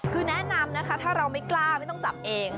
คือแนะนำนะคะถ้าเราไม่กล้าไม่ต้องจับเอง